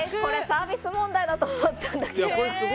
サービス問題だと思ったんだけど。